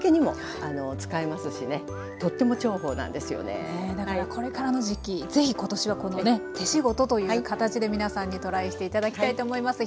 ねえだからこれからの時期ぜひ今年はこのね手仕事という形で皆さんにトライして頂きたいと思います。